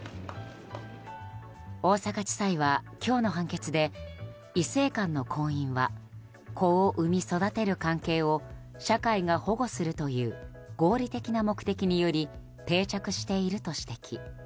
大阪地裁は今日の判決で異性間の婚姻は子を産み育てる関係を社会が保護するという合理的な目的により定着していると指摘。